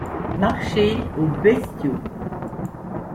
Marché aux bestiaux.